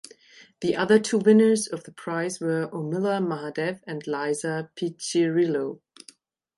The other two winners of the prize were Urmila Mahadev and Lisa Piccirillo.